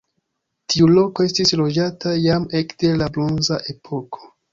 Tiu loko estis loĝata jam ekde la bronza epoko.